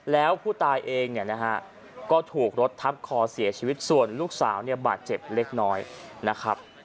แล้วผู้ตายเองเนี่ยนะฮะก็ถูกรถทับคอเสียชีวิตส่วนลูกสาวเนี่ยบาดเจ็บเล็กน้อยนะครับ